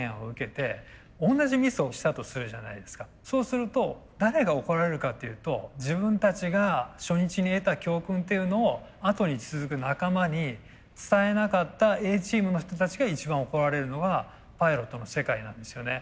そうすると誰が怒られるかっていうと自分たちが初日に得た教訓っていうのをあとに続く仲間に伝えなかったＡチームの人たちが一番怒られるのがパイロットの世界なんですよね。